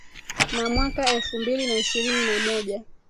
na mwaka elfu mbili na ishirini na moja